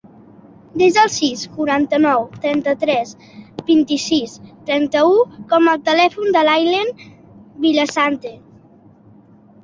Desa el sis, quaranta-nou, trenta-tres, vint-i-sis, trenta-u com a telèfon de l'Aylen Villasante.